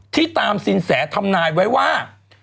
ที่ตามสินแสทำนายไว้ว่า